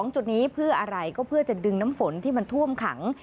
จุดนี้เพื่ออะไรก็เพื่อจะดึงน้ำฝนที่มันท่วมขัง